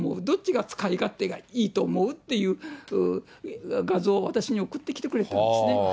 どっちが使い勝手がいいと思う？っていう画像を、私に送ってきてくれたんですね。